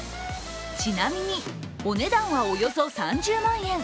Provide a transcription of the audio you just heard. ちなみに、お値段はおよそ３０万円。